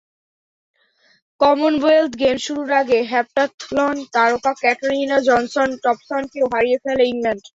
Commonwealth Games শুরুর আগে heptathlon তারকা ক্যাটারিনা জনসন-টম্পসনকেও হারিয়ে ফেলে ইংল্যান্ড।